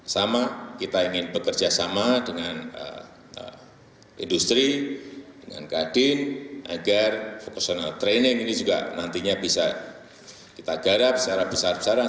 sama kita ingin bekerja sama dengan industri dengan kadin agar vocational training ini juga nantinya bisa kita garap secara besar besaran